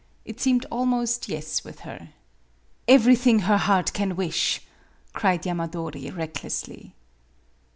It seemed almost yes with her. "Everything her heart can wish!" cried Yamadori, recklessly.